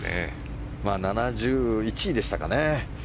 ７１位でしたかね。